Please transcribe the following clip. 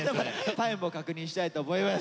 タイムを確認したいと思います。